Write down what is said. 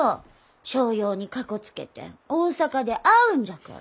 商用にかこつけて大阪で会うんじゃから。